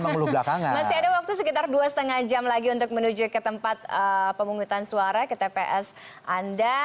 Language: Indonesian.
masih ada waktu sekitar dua lima jam lagi untuk menuju ke tempat pemungutan suara ke tps anda